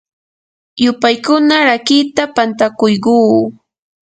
yupaykuna rakiita pantakuyquu.